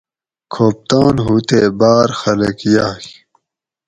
کھوپتان ھو تے باۤر خلک یاۤگ